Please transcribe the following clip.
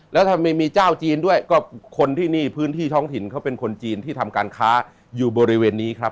แล้วถ้าไม่มีเจ้าจีนด้วยก็คนที่นี่พื้นที่ท้องถิ่นเขาเป็นคนจีนที่ทำการค้าอยู่บริเวณนี้ครับ